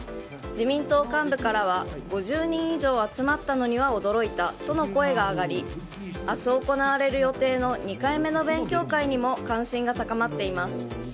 自民党幹部からは５０人以上集まったのには驚いたとの声が上がり明日行われる予定の２回目の勉強会にも関心が高まっています。